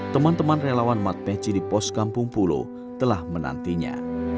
teman teman relawan matpeci di pos kampung pulo telah menantinya